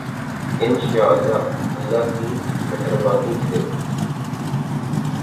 انشاء اللہ، اللہ کی مہربانی سے۔